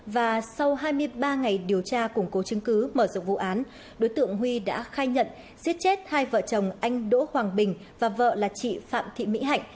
và sau hai mươi ba ngày điều tra củng cố chứng cứ mở rộng vụ án đối tượng huy đã khai nhận giết chết hai vợ chồng anh đỗ hoàng bình và vợ là chị phạm thị mỹ hạnh